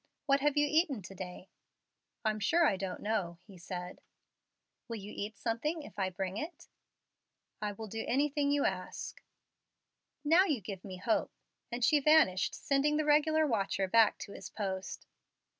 What have you eaten to day?" "I'm sure I don't know," he said. "Will you eat something if I bring it?" "I will do anything you ask." "Now you give me hope," and she vanished, sending the regular watcher back to his post.